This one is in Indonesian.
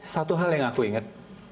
satu hal yang aku inget